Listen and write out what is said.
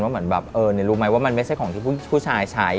ว่าเนี่ยรู้มั้ยว่ามันไม่ใช่ของที่ผู้ชายใช้